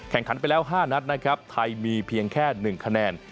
ขันไปแล้ว๕นัดนะครับไทยมีเพียงแค่๑คะแนน